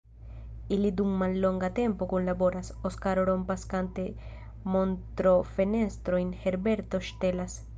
Ili dum mallonga tempo kunlaboras: Oskaro rompas kante montrofenestrojn, Herberto ŝtelas.